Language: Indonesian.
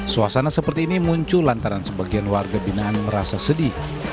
suasana seperti ini muncul lantaran sebagian warga binaan merasa sedih